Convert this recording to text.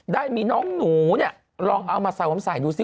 ได้มีน้องหนูเนี่ยลองเอามาสวมใส่ดูสิ